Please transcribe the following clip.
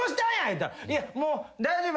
言うたら「いやもう大丈夫」